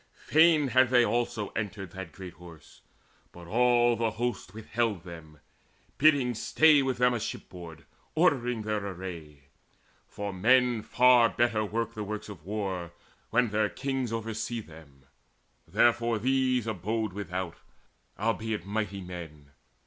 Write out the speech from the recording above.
Fain had they also entered that great Horse, But all the host withheld them, bidding stay With them a shipboard, ordering their array: For men far better work the works of war When their kings oversee them; therefore these Abode without, albeit mighty men.